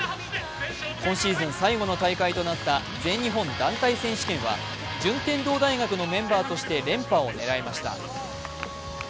今シーズン最後の大会となった全日本団体選手権は、順天堂大学のメンバーとして連覇を狙いました。